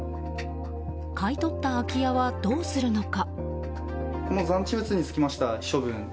買い取った空き家はどうするのか。